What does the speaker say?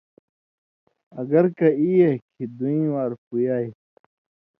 اگر کہ ای گے کھیں دُویں وار پُویائ۔